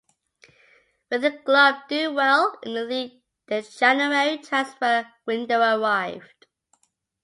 With the club doing well in the league the January transfer window arrived.